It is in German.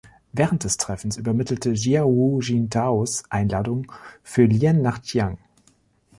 Während des Treffens übermittelte Jia Hu Jintaos Einladung für Lien nach Chiang.